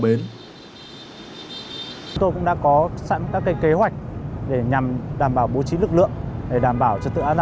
bến tôi cũng đã có sẵn các cái kế hoạch để nhằm đảm bảo bố trí lực lượng để đảm bảo cho tự án